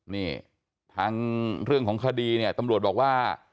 นี่ทางเรื่องของคดีเนี่ยตำรวจบอกว่า